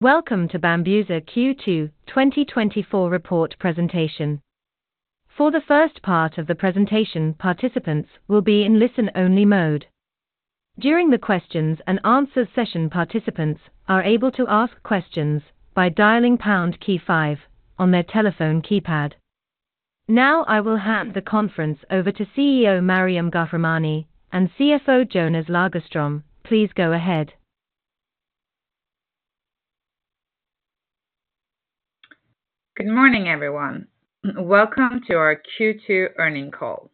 Welcome to Bambuser Q2 2024 report presentation. For the first part of the presentation, participants will be in listen-only mode. During the questions and answers session, participants are able to ask questions by dialing pound key five on their telephone keypad. Now, I will hand the conference over to CEO Maryam Ghahremani and CFO Jonas Lagerström. Please go ahead. Good morning, everyone. Welcome to our Q2 earnings call.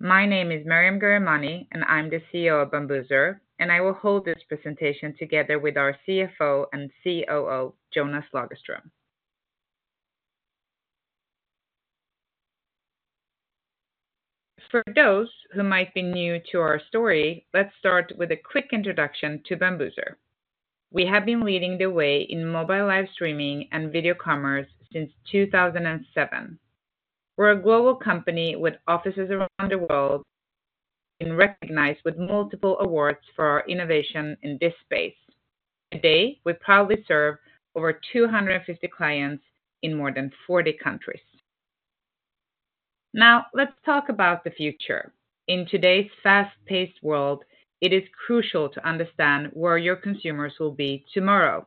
My name is Maryam Ghahremani, and I'm the CEO of Bambuser, and I will hold this presentation together with our CFO and COO, Jonas Lagerström. For those who might be new to our story, let's start with a quick introduction to Bambuser. We have been leading the way in mobile live streaming and video commerce since 2007. We're a global company with offices around the world and recognized with multiple awards for our innovation in this space. Today, we proudly serve over two hundred and fifty clients in more than forty countries. Now, let's talk about the future. In today's fast-paced world, it is crucial to understand where your consumers will be tomorrow.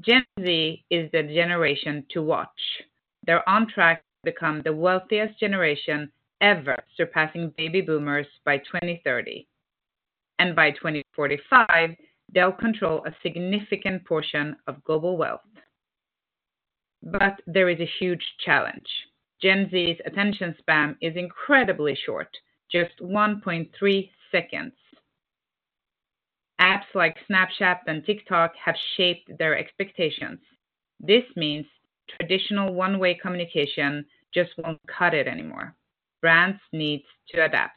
Gen Z is the generation to watch. They're on track to become the wealthiest generation ever, surpassing baby boomers by 2030, and by 2045, they'll control a significant portion of global wealth. But there is a huge challenge. Gen Z's attention span is incredibly short, just 1.3 seconds. Apps like Snapchat and TikTok have shaped their expectations. This means traditional one-way communication just won't cut it anymore. Brands need to adapt.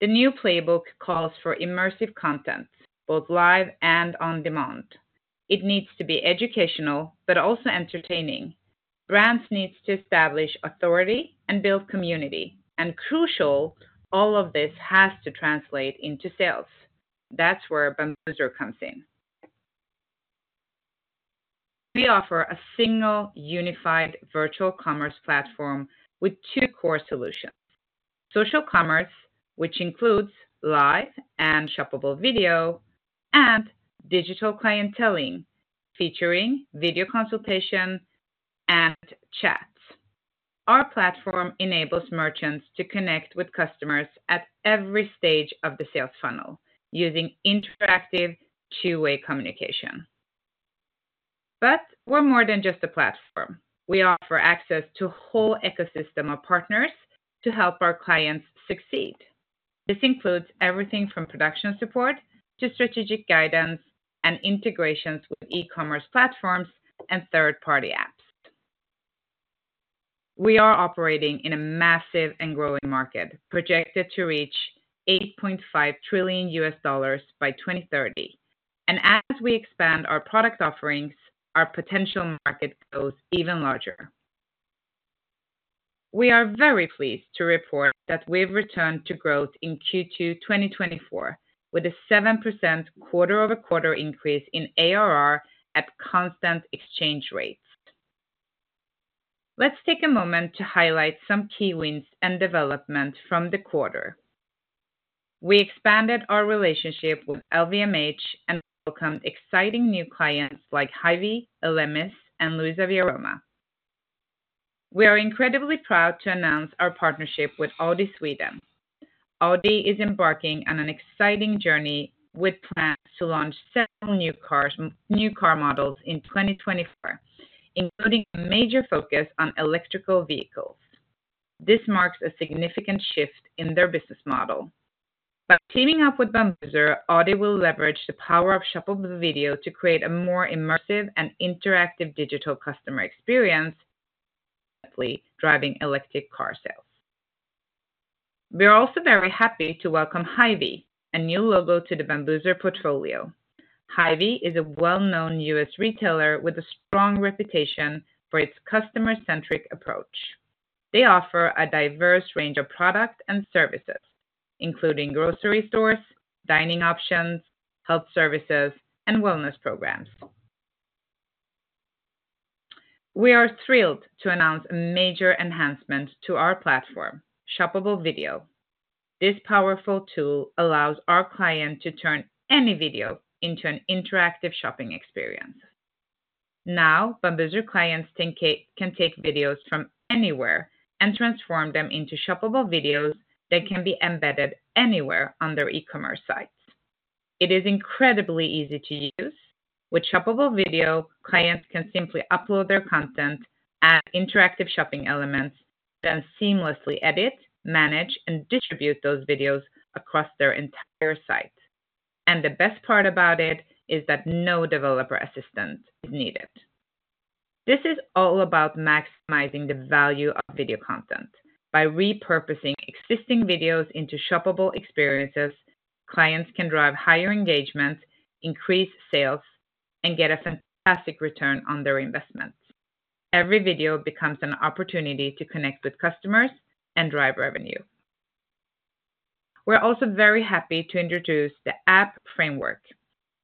The new playbook calls for immersive content, both live and on-demand. It needs to be educational but also entertaining. Brands need to establish authority and build community, and crucial, all of this has to translate into sales. That's where Bambuser comes in. We offer a single unified virtual commerce platform with two core solutions: social commerce, which includes live and shoppable video, and digital clienteling, featuring video consultation and chats. Our platform enables merchants to connect with customers at every stage of the sales funnel using interactive two-way communication. But we're more than just a platform. We offer access to a whole ecosystem of partners to help our clients succeed. This includes everything from production support to strategic guidance and integrations with e-commerce platforms and third-party apps. We are operating in a massive and growing market, projected to reach $8.5 trillion by 2030. And as we expand our product offerings, our potential market goes even larger. We are very pleased to report that we've returned to growth in Q2 2024, with a 7% quarter-over-quarter increase in ARR at constant exchange rates. Let's take a moment to highlight some key wins and development from the quarter. We expanded our relationship with LVMH and welcomed exciting new clients like Hy-Vee, Elemis, and LuisaViaRoma. We are incredibly proud to announce our partnership with Audi Sweden. Audi is embarking on an exciting journey with plans to launch several new cars, new car models in 2024, including a major focus on electric vehicles. This marks a significant shift in their business model. By teaming up with Bambuser, Audi will leverage the power of shoppable video to create a more immersive and interactive digital customer experience, ultimately driving electric car sales. We are also very happy to welcome Hy-Vee, a new logo to the Bambuser portfolio. Hy-Vee is a well-known U.S. retailer with a strong reputation for its customer-centric approach. They offer a diverse range of products and services, including grocery stores, dining options, health services, and wellness programs. We are thrilled to announce a major enhancement to our platform, shoppable video. This powerful tool allows our client to turn any video into an interactive shopping experience. Now, Bambuser clients can take videos from anywhere and transform them into shoppable videos that can be embedded anywhere on their e-commerce sites. It is incredibly easy to use. With shoppable video, clients can simply upload their content, add interactive shopping elements, then seamlessly edit, manage, and distribute those videos across their entire site, and the best part about it is that no developer assistance is needed. This is all about maximizing the value of video content. By repurposing existing videos into shoppable experiences, clients can drive higher engagement, increase sales, and get a fantastic return on their investments. Every video becomes an opportunity to connect with customers and drive revenue.... We're also very happy to introduce the App Framework,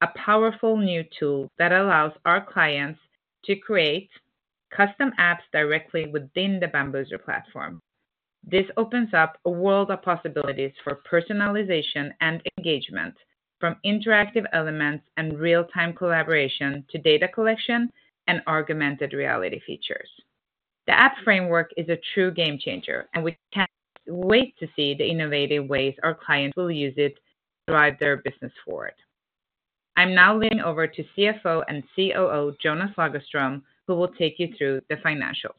a powerful new tool that allows our clients to create custom apps directly within the Bambuser platform. This opens up a world of possibilities for personalization and engagement, from interactive elements and real-time collaboration to data collection and augmented reality features. The App Framework is a true game changer, and we can't wait to see the innovative ways our clients will use it to drive their business forward. I'm now leaning over to CFO and COO Jonas Lagerström, who will take you through the financials.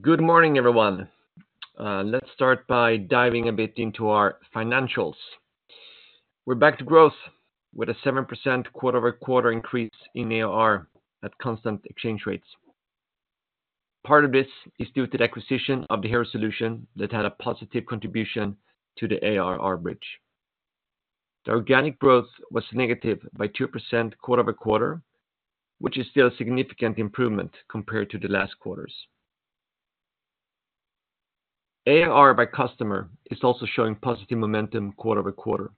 Good morning, everyone. Let's start by diving a bit into our financials. We're back to growth with a 7% quarter-over-quarter increase in ARR at constant exchange rates. Part of this is due to the acquisition of the Hero solution that had a positive contribution to the ARR bridge. The organic growth was negative by 2% quarter-over-quarter, which is still a significant improvement compared to the last quarters. ARR by customer is also showing positive momentum quarter-over-quarter.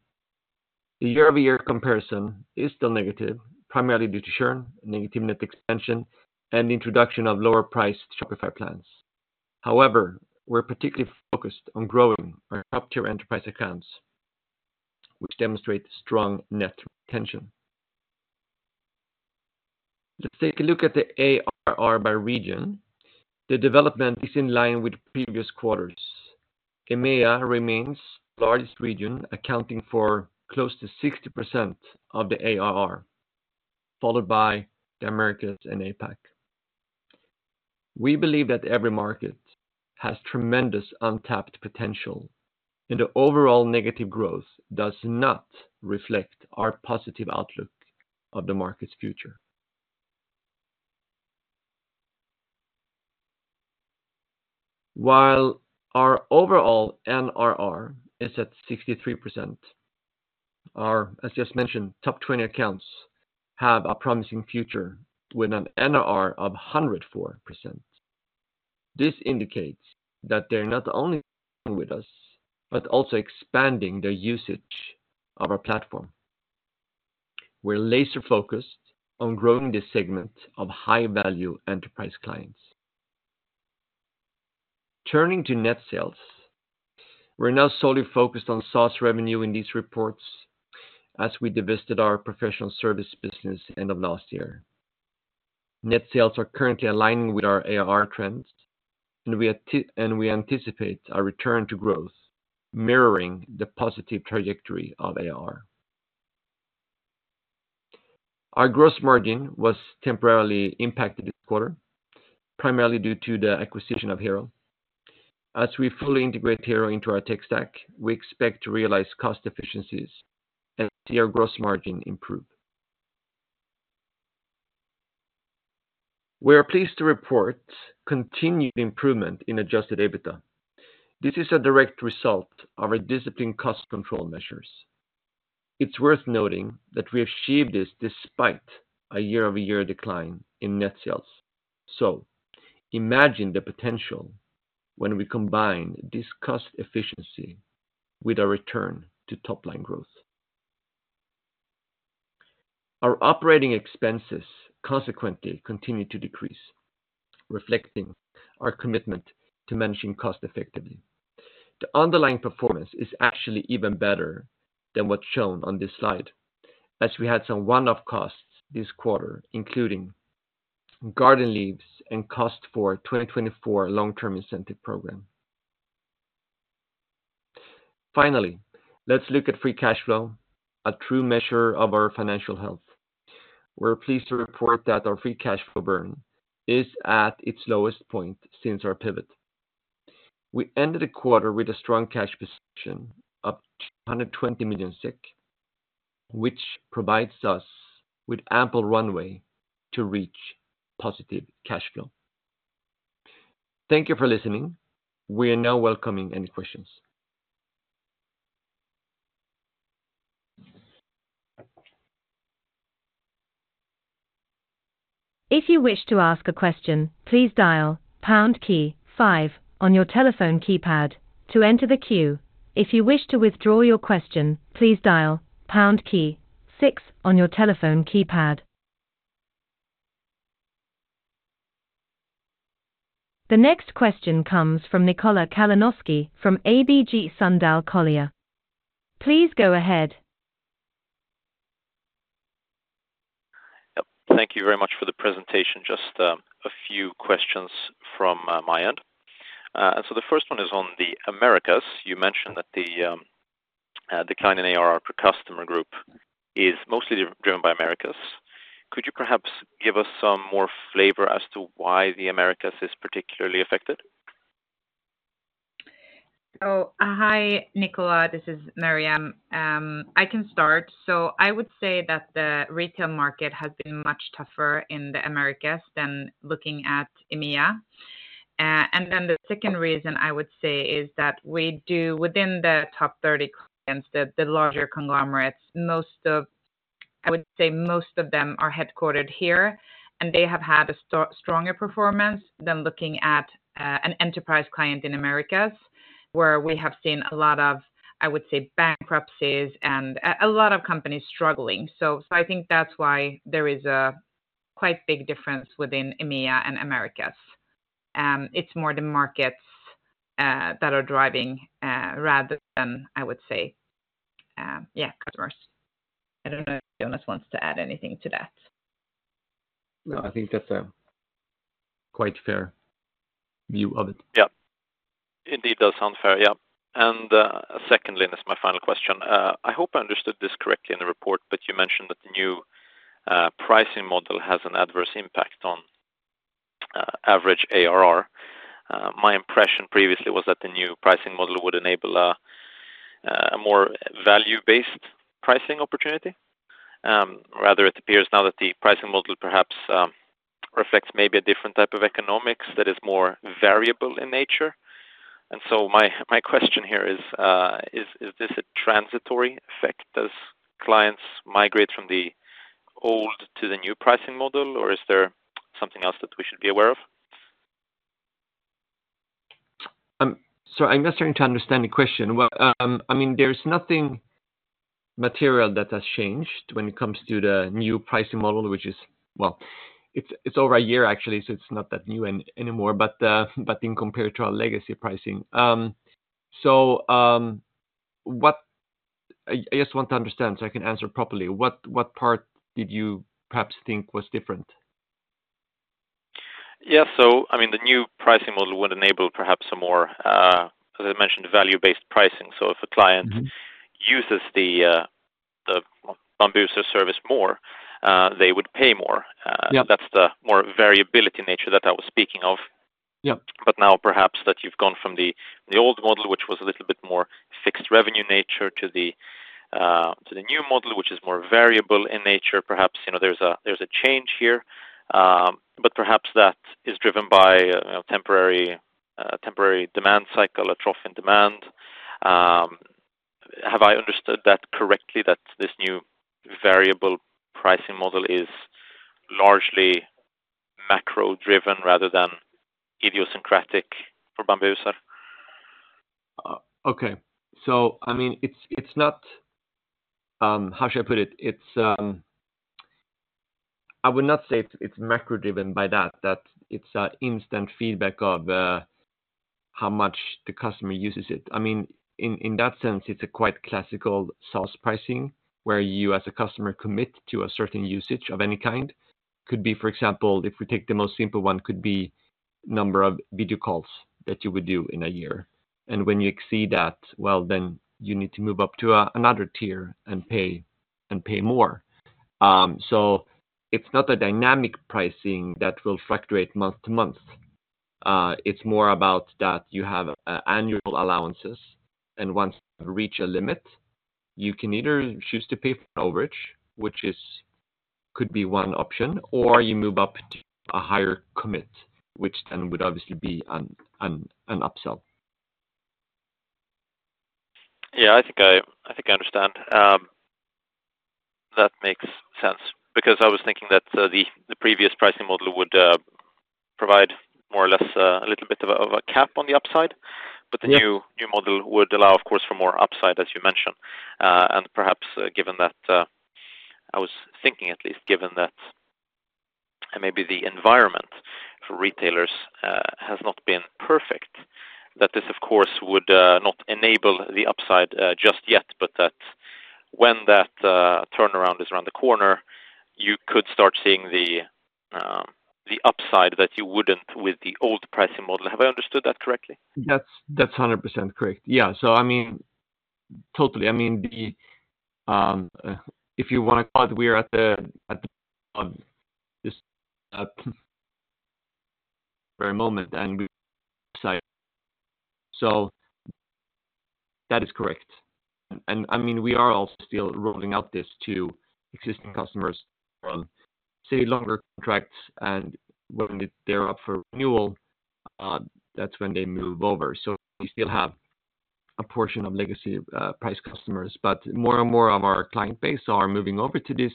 The year-over-year comparison is still negative, primarily due to churn, negative net expansion, and the introduction of lower-priced Shopify plans. However, we're particularly focused on growing our top-tier enterprise accounts, which demonstrate strong net retention. Let's take a look at the ARR by region. The development is in line with previous quarters. EMEA remains the largest region, accounting for close to 60% of the ARR, followed by the Americas and APAC. We believe that every market has tremendous untapped potential, and the overall negative growth does not reflect our positive outlook of the market's future. While our overall NRR is at 63%, our, as just mentioned, top 20 accounts have a promising future with an NRR of 104%. This indicates that they're not only with us, but also expanding their usage of our platform. We're laser-focused on growing this segment of high-value enterprise clients. Turning to net sales, we're now solely focused on SaaS revenue in these reports as we divested our professional service business end of last year. Net sales are currently aligning with our ARR trends, and we and we anticipate a return to growth, mirroring the positive trajectory of ARR. Our gross margin was temporarily impacted this quarter, primarily due to the acquisition of Hero. As we fully integrate Hero into our tech stack, we expect to realize cost efficiencies and see our gross margin improve. We are pleased to report continued improvement in Adjusted EBITDA. This is a direct result of our disciplined cost control measures. It's worth noting that we achieved this despite a year-over-year decline in net sales, so imagine the potential when we combine this cost efficiency with a return to top-line growth. Our operating expenses consequently continued to decrease, reflecting our commitment to managing cost effectively. The underlying performance is actually even better than what's shown on this slide, as we had some one-off costs this quarter, including garden leave and cost for our 2024 long-Term incentive program. Finally, let's look at Free Cash Flow, a true measure of our financial health. We're pleased to report that our free cash flow burn is at its lowest point since our pivot. We ended the quarter with a strong cash position of 220 million SEK, which provides us with ample runway to reach positive cash flow. Thank you for listening. We are now welcoming any questions. If you wish to ask a question, please dial pound key five on your telephone keypad to enter the queue. If you wish to withdraw your question, please dial pound key six on your telephone keypad. The next question comes from Nikola Kalanoski from ABG Sundal Collier. Please go ahead. Yep. Thank you very much for the presentation. Just a few questions from my end. And so the first one is on the Americas. You mentioned that the decline in ARR per customer group is mostly driven by Americas. Could you perhaps give us some more flavor as to why the Americas is particularly affected? Oh, hi, Nikola. This is Maryam. I can start. So I would say that the retail market has been much tougher in the Americas than looking at EMEA. And then the second reason I would say is that we do within the top 30 clients, the larger conglomerates. Most of them are headquartered here, and they have had a stronger performance than looking at an enterprise client in Americas, where we have seen a lot of, I would say, bankruptcies and a lot of companies struggling. So I think that's why there is a quite big difference within EMEA and Americas. It's more the markets that are driving rather than, I would say, yeah, customers. I don't know if Jonas wants to add anything to that. No, I think that's a quite fair view of it. Yeah. Indeed, that sounds fair. Yeah. And, secondly, this is my final question. I hope I understood this correctly in the report, but you mentioned that the new pricing model has an adverse impact on average ARR. My impression previously was that the new pricing model would enable a more value-based pricing opportunity. Rather, it appears now that the pricing model perhaps reflects maybe a different type of economics that is more variable in nature. And so my question here is, is this a transitory effect as clients migrate from the old to the new pricing model, or is there something else that we should be aware of? So I'm not starting to understand the question. I mean, there's nothing material that has changed when it comes to the new pricing model, which is. Well, it's over a year, actually, so it's not that new anymore, but in compared to our legacy pricing. So what. I just want to understand so I can answer properly. What part did you perhaps think was different? Yeah, so, I mean, the new pricing model would enable perhaps some more, as I mentioned, value-based pricing. So if a client- Mm-hmm uses the the Bambuser service more, they would pay more. Yeah. That's the more variable nature that I was speaking of. Yeah. But now, perhaps, that you've gone from the old model, which was a little bit more fixed revenue nature, to the new model, which is more variable in nature, perhaps, you know, there's a change here, but perhaps that is driven by temporary demand cycle, a trough in demand. Have I understood that correctly, that this new variable pricing model is largely macro driven rather than idiosyncratic for Bambuser? Okay. So I mean, it's not. How should I put it? It's, I would not say it's macro driven by that it's an instant feedback of how much the customer uses it. I mean, in that sense, it's a quite classical SaaS pricing, where you, as a customer, commit to a certain usage of any kind. Could be, for example, if we take the most simple one, could be number of video calls that you would do in a year, and when you exceed that, well, then you need to move up to another tier and pay more. So it's not a dynamic pricing that will fluctuate month to month. It's more about that you have annual allowances, and once you reach a limit, you can either choose to pay for overage, which could be one option, or you move up to a higher commit, which then would obviously be an upsell. Yeah, I think I understand. That makes sense because I was thinking that the previous pricing model would provide more or less a little bit of a cap on the upside. Yeah. But the new model would allow, of course, for more upside, as you mentioned. And perhaps, given that, I was thinking at least, given that maybe the environment for retailers has not been perfect, that this, of course, would not enable the upside just yet, but that when that turnaround is around the corner, you could start seeing the upside that you wouldn't with the old pricing model. Have I understood that correctly? That's a hundred percent correct. Yeah, so I mean, totally. I mean, the, if you wanna call it, we are at the, this, very moment, and we... So that is correct. And, I mean, we are also still rolling out this to existing customers from, say, longer contracts, and when they're up for renewal, that's when they move over. So we still have a portion of legacy, price customers, but more and more of our client base are moving over to this,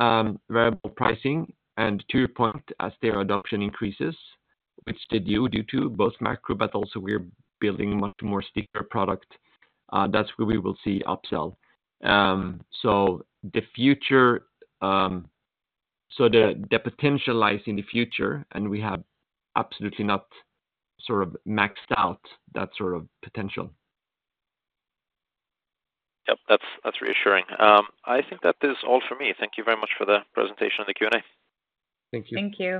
variable pricing. And to your point, as their adoption increases, which they do, due to both macro, but also we're building a much more stickier product, that's where we will see upsell. So the potential lies in the future, and we have absolutely not sort of maxed out that sort of potential. Yep, that's reassuring. I think that is all for me. Thank you very much for the presentation and the Q&A. Thank you. Thank you.